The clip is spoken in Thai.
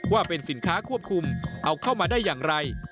ว่าเป็นสินค้าควบคุมเอาเข้ามาได้อย่างไร